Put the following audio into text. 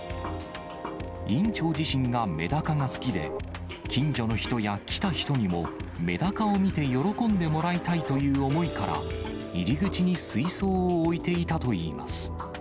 院長自身がメダカが好きで、近所の人や来た人にも、メダカを見て喜んでもらいたいという思いから、入り口に水槽を置いていたといいます。